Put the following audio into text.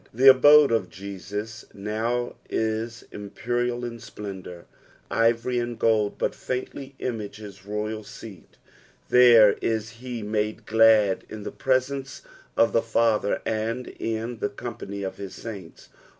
The abode of Jesus now is impcnal in splendour, ivory and gold but faintly image bis royal seat ; there is he made glad in the presence of the Father, and in the company of his saints.